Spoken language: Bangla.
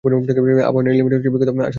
আবাহনী লিমিটেড হচ্ছে বিগত আসরের চ্যাম্পিয়ন।